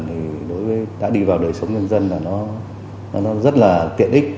thì đối với đã đi vào đời sống nhân dân là nó rất là tiện ích